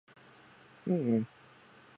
いいね